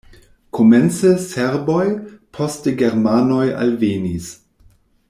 Komence serboj, poste germanoj alvenis.